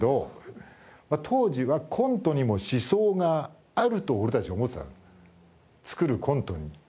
当時はコントにも思想があると俺たちは思ってた作るコントに。